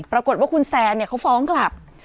ปรากฏว่าคุณแซนเขาฟ้องกลับ